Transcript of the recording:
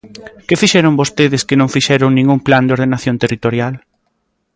¿Que fixeron vostedes que non fixeron nin un plan de ordenación territorial?